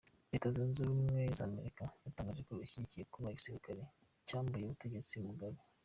Leta Zunze Ubumwe za Amerika yatangaje ko ishyigikiye kuba igirisikare cyambuye ubutegetsi Mugabe.